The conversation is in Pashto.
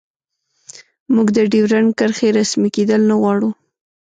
موږ د ډیورنډ کرښې رسمي کیدل نه غواړو